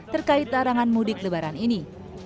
terkait larangan mudik lebaran ini